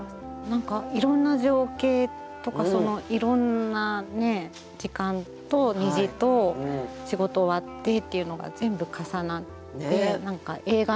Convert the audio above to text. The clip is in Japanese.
何かいろんな情景とかいろんなね時間と虹と仕事終わってっていうのが全部重なって何か映画の終わりのような。